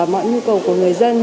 mọi nhu cầu của người dân